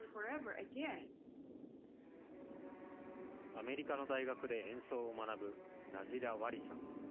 アメリカの大学で演奏を学ぶナズィラ・ワリさん。